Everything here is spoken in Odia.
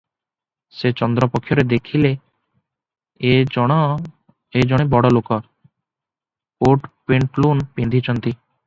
ସେ ଚନ୍ଦ୍ର ପକ୍ଷରେ ଦେଖିଲା ଏ ଜଣେ ବଡ଼ଲୋକ- କୋଟପେଣ୍ଟୁଲନ ପିନ୍ଧିଚନ୍ତି ।